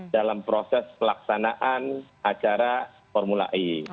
dalam proses pelaksanaan acara formula e